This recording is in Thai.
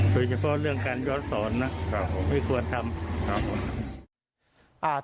ส่วนเฉพาะเรื่องการยอดสรรนะไม่ควรทำครับผมครับผม